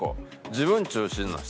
「自分中心な人」